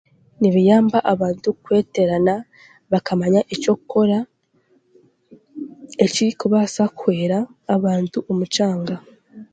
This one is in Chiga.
Nibiyamba abantu kweterana bakamanya okyokukora ekiri kubasa kuhweera abantu omu kyanga.